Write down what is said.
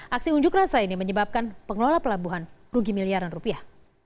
aksi unjuk rasa ini menyebabkan pengelola pelabuhan rugi miliaran rupiah